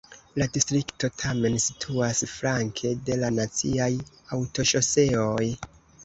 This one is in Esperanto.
La distrikto tamen situas flanke de la naciaj aŭtoŝoseoj.